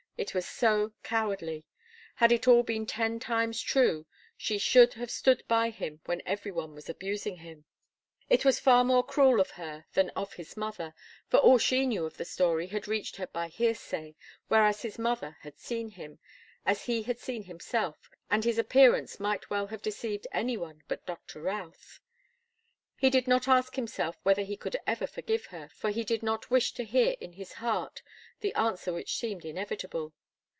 It was so cowardly. Had it all been ten times true, she should have stood by him when every one was abusing him. It was far more cruel of her than of his mother, for all she knew of the story had reached her by hearsay, whereas his mother had seen him, as he had seen himself, and his appearance might well have deceived any one but Doctor Routh. He did not ask himself whether he could ever forgive her, for he did not wish to hear in his heart the answer which seemed inevitable.